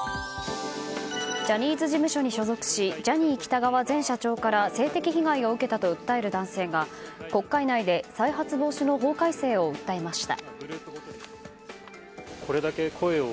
ジャニーズ事務所に所属しジャニー喜多川前社長から性的被害を受けたと訴える男性が国会内で再発防止の法改正を訴えました。